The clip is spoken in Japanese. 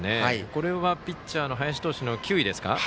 これはピッチャーの林投手の球威ですか？